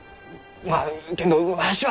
まあけんどわしは。